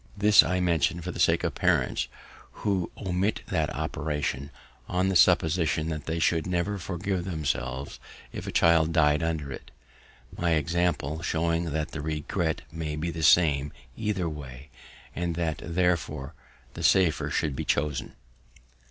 This I mention for the sake of parents who omit that operation, on the supposition that they should never forgive themselves if a child died under it; my example showing that the regret may be the same either way, and that, therefore, the safer should be chosen.